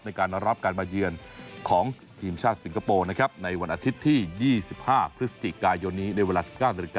ในการรับการมาเยือนของทีมชาติสิงคโปร์นะครับในวันอาทิตย์ที่๒๕พฤศจิกายนนี้ในเวลา๑๙นาฬิกา